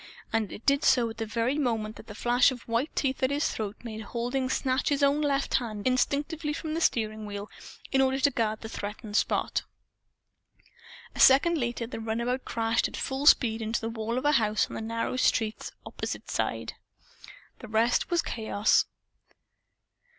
And it did so at the very moment that the flash of white teeth at his throat made Halding snatch his own left hand instinctively from the steering wheel, in order to guard the threatened spot. A second later the runabout crashed at full speed into the wall of a house on the narrow street's opposite side. The rest was chaos.